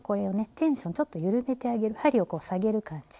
テンションをちょっと緩めてあげる針をこう下げる感じ。